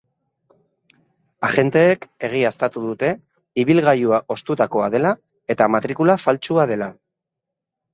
Agenteek egiaztatu dute ibilgailua ostutakoa dela eta matrikula faltsua dela.